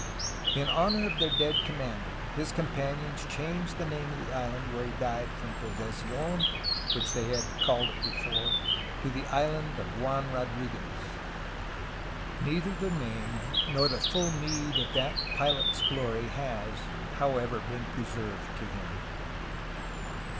In honor of their dead commander his companions changed the name of the island where he died from "Posesi6n" (which they had " NORTHERNMYSTERY— DISCOVERY OF ALTA CALIFORNIA 81 called it before) to the "Island of Juan Rodriguez.'^ Neither the name nor the full meed of that pilot's glory has, however, been preserved to him.